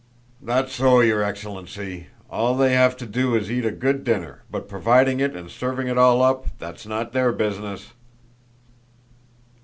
"That's so, your excellency, all they have to do is to eat a good dinner, but providing it and serving it all up, that's not their business!"